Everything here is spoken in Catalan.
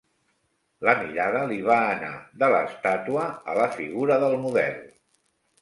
La mirada li va anar de l'estàtua a la figura del model